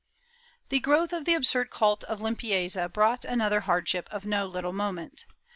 The growth of the absurd cult of limpieza brought another hardship of no little moment.